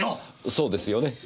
そうですよね？